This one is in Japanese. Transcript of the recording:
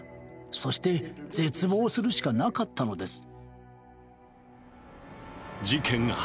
そして絶望するしかなかったのです。